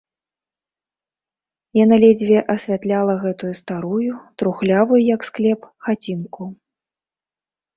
Яна ледзьве асвятляла гэтую старую, трухлявую, як склеп, хацінку.